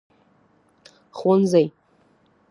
ښوونځي